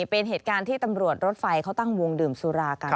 เป็นเหตุการณ์ที่ตำรวจรถไฟเขาตั้งวงดื่มสุรากัน